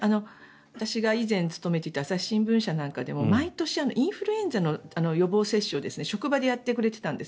私が以前勤めていた朝日新聞社なんかでも毎年インフルエンザの予防接種を職場でやってくれてたんです。